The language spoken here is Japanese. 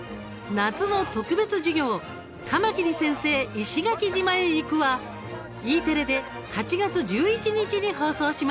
夏の特別授業カマキリ先生☆石垣島へ行く」はＥテレで８月１１日に放送します。